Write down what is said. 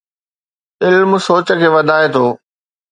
علم سوچ کي وڌائي ٿو